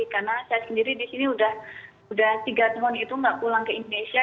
karena saya sendiri di sini sudah tiga tahun itu nggak pulang ke indonesia